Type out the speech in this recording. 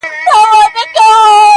کله شاته کله څنګ ته یې کتله،